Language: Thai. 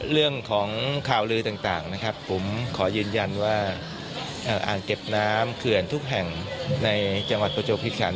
เรื่องของข่าวลือต่างนะครับผมขอยืนยันว่าอ่างเก็บน้ำเขื่อนทุกแห่งในจังหวัดประจวบคิคัน